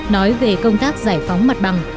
nói về công tác giải phóng mặt bằng